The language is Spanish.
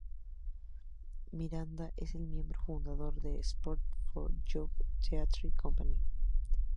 Miranda es miembro fundador del "Sport For Jove Theatre Company".